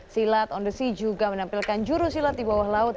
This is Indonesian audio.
silat on the sea juga menampilkan juru silat di bawah laut